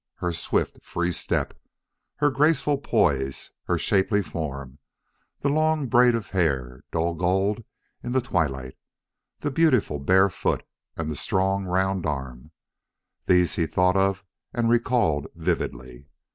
Her swift, free step, her graceful poise, her shapely form the long braid of hair, dull gold in the twilight, the beautiful bare foot and the strong round arm these he thought of and recalled vividly.